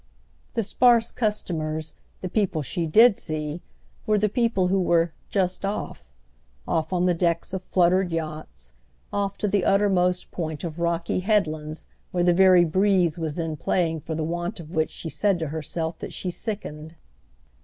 The sparse customers, the people she did see, were the people who were "just off"—off on the decks of fluttered yachts, off to the uttermost point of rocky headlands where the very breeze was then playing for the want of which she said to herself that she sickened.